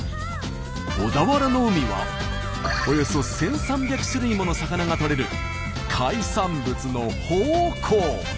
小田原の海はおよそ１，３００種類もの魚がとれる海産物の宝庫。